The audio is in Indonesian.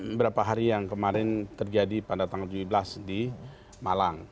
beberapa hari yang kemarin terjadi pada tanggal tujuh belas di malang